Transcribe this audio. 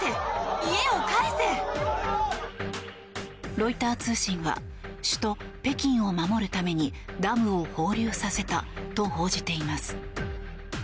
ロイター通信は首都・北京を守るためにダムを放流させたと報じています。